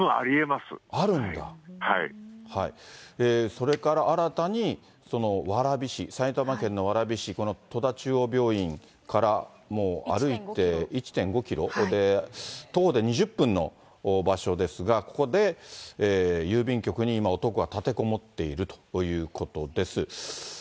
それから新たに、蕨市、埼玉県の蕨市、この戸田中央病院からもう歩いて１．５キロで、徒歩で２０分の場所ですが、ここで郵便局に今、男が立てこもっているということです。